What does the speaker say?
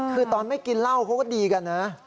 คือตอนไม่กินเหล้าเขาก็ดีกันนะ